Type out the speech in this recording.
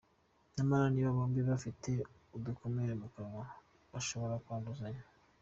Nyamara niba bombi bafite udukomere mu kanwa bashobora kwanduzanya.